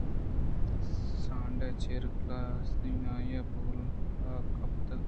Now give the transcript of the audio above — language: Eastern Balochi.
سانڈ چرے گلاہ ءُ ستاہاں آئی ءِ بولاں کپت